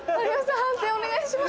判定お願いします。